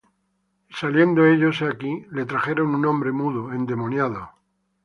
Y saliendo ellos, he aquí, le trajeron un hombre mudo, endemoniado.